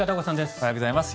おはようございます。